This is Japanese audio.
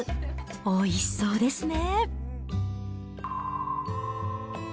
おいしそうですね。